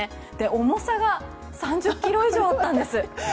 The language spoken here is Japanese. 重さが３０ｋｇ以上あったんです。